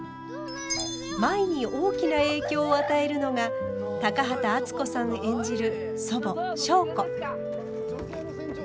舞に大きな影響を与えるのが高畑淳子さん演じる祖母祥子。